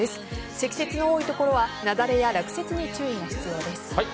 積雪の多い所は雪崩や落雪に注意が必要です。